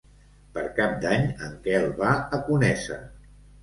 Per Cap d'Any en Quel va a Conesa.